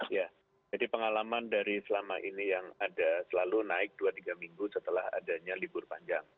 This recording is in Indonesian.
ya jadi pengalaman dari selama ini yang ada selalu naik dua tiga minggu setelah adanya libur panjang